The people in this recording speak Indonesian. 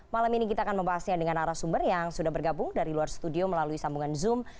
malam ini kita akan membahasnya dengan arah sumber yang sudah bergabung dari luar studio melalui sambungan zoom